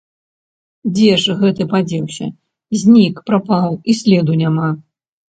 Дзе ж гэты падзеўся, знік, прапаў, і следу няма!